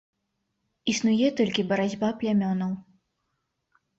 Існуе толькі барацьба плямёнаў.